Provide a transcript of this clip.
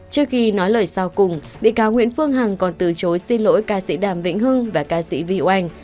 trước khi nói lời sau cùng bị cáo nguyễn phương hằng còn từ chối xin lỗi ca sĩ đàm vĩnh hưng và ca sĩ vy oanh